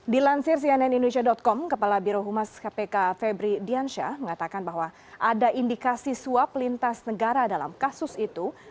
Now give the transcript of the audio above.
dilansir cnn indonesia com kepala birohumas kpk febri diansyah mengatakan bahwa ada indikasi suap lintas negara dalam kasus itu